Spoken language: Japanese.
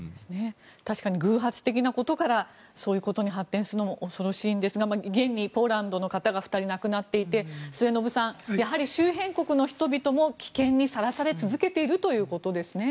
確かに偶発的なことからそういうことに発展するのも恐ろしいんですが現にポーランドの方が２人亡くなっていて末延さん、やはり周辺国の人々も危険にさらされ続けているということですね。